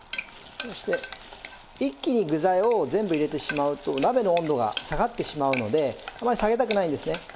そして一気に具材を全部入れてしまうと鍋の温度が下がってしまうのであまり下げたくないんですね。